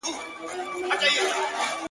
اوازې په کلي کي ډېر ژر خپرېږي-